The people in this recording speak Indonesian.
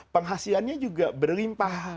penghasilannya juga berlimpah